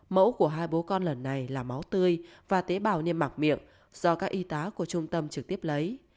mẫu của hai bố con lần này là máu tươi và tế bào niêm mạc miệng do các y tá của trung tâm trực tiếp lấy